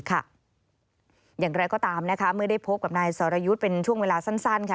อย่างไรก็ตามนะคะเมื่อได้พบกับนายสรยุทธ์เป็นช่วงเวลาสั้นค่ะ